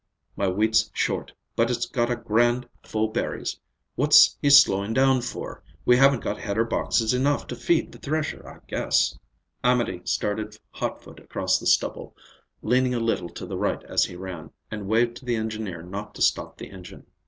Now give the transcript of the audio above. My wheat's short, but it's gotta grand full berries. What's he slowing down for? We haven't got header boxes enough to feed the thresher, I guess." Amédée started hot foot across the stubble, leaning a little to the right as he ran, and waved to the engineer not to stop the engine.